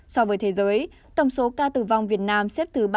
so với thế giới tổng số ca tử vong việt nam xếp thứ ba mươi bốn